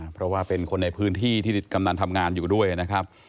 เพราะว่าเป็นคนในพื้นที่ที่กำนันทำงานอยู่ด้วยนะครับ